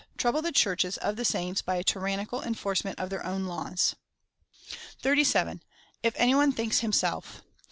5,) trouble the Churches of the saints by a tyrannical enforce ment of their own laws.^ 37. If any one thinks himself.